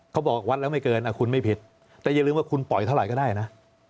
เขาบอกวัดแล้วไม่เกินคุณไม่ผิดแต่อย่าลืมว่าคุณปล่อยเท่าไหร่ก็ได้นะ